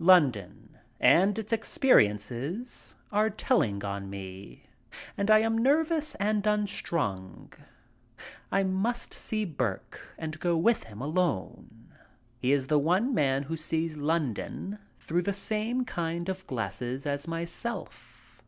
London and its experiences are telling on me and I am nervous and unstrung. I must see Burke and go with him alone. He is the one man who sees London through the same kind of glasses as myself.